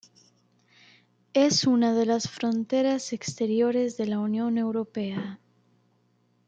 Es una de las fronteras exteriores de la Unión Europea.